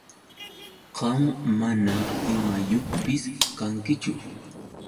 Qam mana imayuqpis kankichu.